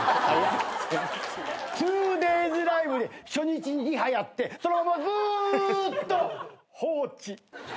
２デイズライブで初日にリハやってそのままずーっと放置。